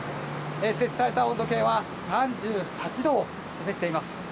設置された温度計は３８度を示しています。